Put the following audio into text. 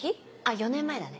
４年前だね。